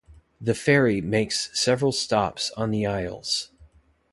The ferry makes several stops on the isles.